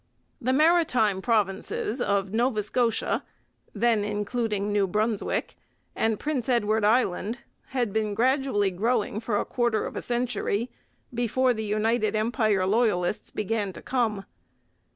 The maritime provinces of Nova Scotia (then including New Brunswick) and Prince Edward Island had been gradually growing for a quarter of a century before the United Empire Loyalists began to come.